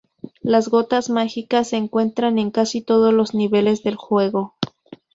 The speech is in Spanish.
Las gotas mágicas se encuentran en casi todos los niveles del juego.